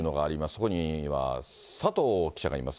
そこには佐藤記者がいます。